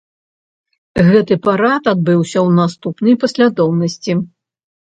Гэты парад адбыўся ў наступнай паслядоўнасці.